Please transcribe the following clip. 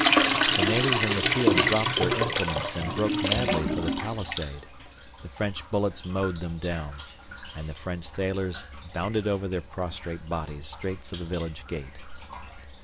The natives in the field dropped their implements and broke madly for the palisade. The French bullets mowed them down, and the French sailors bounded over their prostrate bodies straight for the village gate.